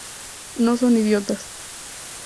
No son idiotas.